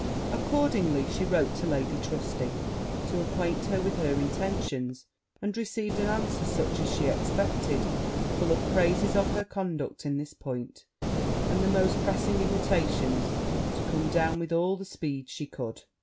Accordingly, she wrote to Lady Trusty to acquaint her with her intentions, and received an answer such as she expected, full of praises for her conduct in this point, and the most pressing invitations to come down with all the speed she could.